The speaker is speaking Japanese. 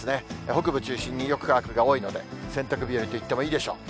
北部を中心によく乾くが多いので、洗濯日和といってもいいでしょう。